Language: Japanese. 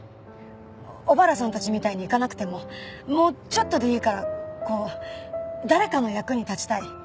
小原さんたちみたいにいかなくてももうちょっとでいいからこう誰かの役に立ちたい。